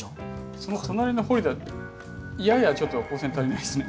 その隣のホリダややちょっと光線足りないですね。